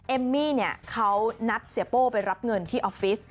เอมมี่เนี่ยเขานัดเสียโป้ไปรับเงินที่ออฟฟิศ